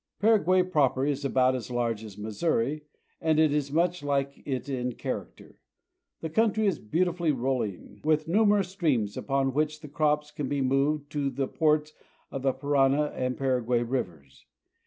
Paraguay proper is about as large as Missouri, and it is much like it in character. The country is beautifully roll ing, with numerous streams upon which the crops can be moved to the ports of the Parana and Paraguay rivers.